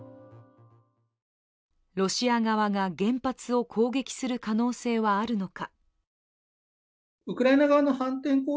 ロシア側が原発を攻撃する可能性はあるのか。